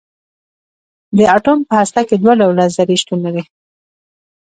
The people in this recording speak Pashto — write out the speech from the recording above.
د اټوم په هسته کې دوه ډوله ذرې شتون لري.